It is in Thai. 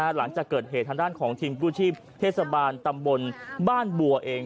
หลังจากเกิดเหตุทางด้านของทีมกู้ชีพเทศบาลตำบลบ้านบัวเอง